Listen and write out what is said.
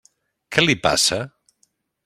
Què li passa?